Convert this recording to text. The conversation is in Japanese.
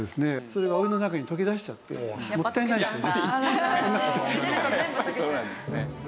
それがお湯の中に溶け出しちゃってもったいないんですよ。